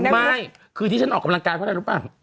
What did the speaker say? ไม่คือที่ฉันออกกำลังกายเพราะอะไรรู้ป่ะ